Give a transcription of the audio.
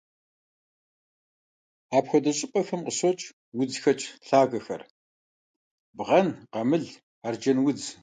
Апхуэдэ щӀыпӀэхэм къыщокӀ удзхэкӀ лъагэхэр: бгъэн, къамыл, арджэнудз.